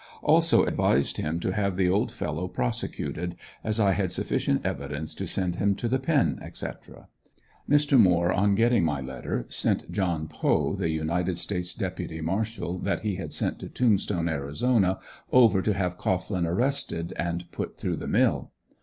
Also advised him to have the old fellow prosecuted as I had sufficient evidence to send him to the "Pen," etc. Mr. Moore on getting my letter, sent John Poe, the United States Deputy Marshal that he had sent to Tombstone, Arizona, over to have Cohglin arrested and put through the mill.